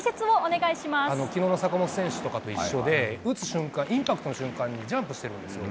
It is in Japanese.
きのうの坂本選手とかと一緒で、打つ瞬間、インパクトの瞬間にジャンプしてるんですよ。